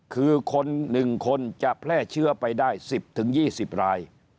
คือคน๑คนจะแพร่เชื้อไปได้๑๐๒๐ราย